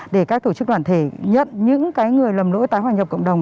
để các tổ chức đoàn thể nhận những người lầm lỗi tái hòa nhập cộng đồng